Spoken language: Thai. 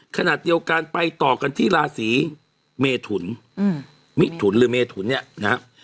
ขณะเดียวกันไปต่อกันที่ราศีเมทุนมิถุนหรือเมถุนเนี่ยนะครับ